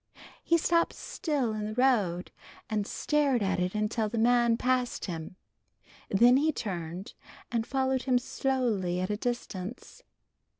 He stopped still in the road and stared at it until the man passed him, then he turned and followed him slowly at a distance.